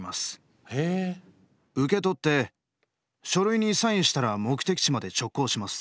受け取って書類にサインしたら目的地まで直行します。